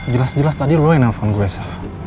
jelas jelas tadi lo yang nelfon gue